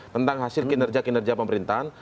tentang hasil kinerja kinerja pemerintahan